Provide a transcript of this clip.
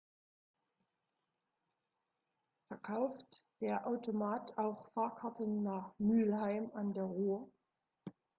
Verkauft der Automat auch Fahrkarten nach Mülheim an der Ruhr?